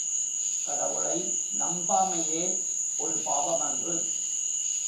கடவுளை நம்பாமையே ஒரு பாவமன்று.